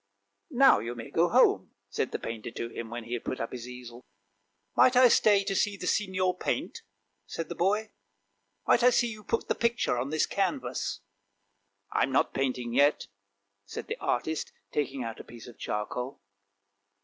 " Now you may go home," said the painter to him, when he had put up his easel. "Might I stay to see the Signor paint?" said the boy; " might I see you put the picture on this canvas? "" I'm not painting yet," said the artist, taking out a piece of charcoal.